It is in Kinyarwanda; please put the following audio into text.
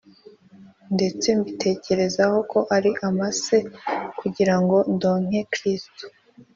ndetse mbitekereza ko ari amase, kugira ngo ndonke Kristo